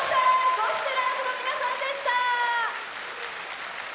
ゴスペラーズの皆さんでした。